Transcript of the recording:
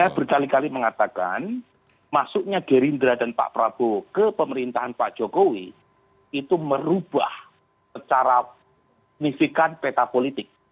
saya berkali kali mengatakan masuknya gerindra dan pak prabowo ke pemerintahan pak jokowi itu merubah secara signifikan peta politik